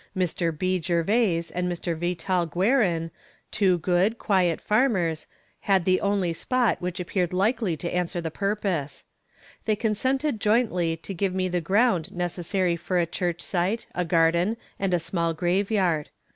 Mr. B. Gervais and Mr. Vetal Guerin, two good, quiet farmers, had the only spot which appeared likely to answer the purpose. They consented jointly to give me the ground necessary for a church site, a garden and a small graveyard.